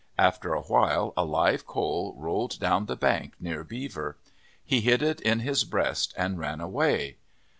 After a while a live coal rolled down the bank near Beaver. He hid it in his breast and ran away.